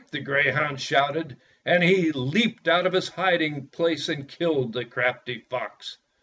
the greyhound shouted, and he leaped out of his hiding place and killed the crafty fox.